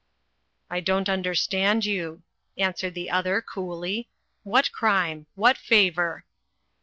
"I don't understand you," answered the other coolly, "what crime? What favour?"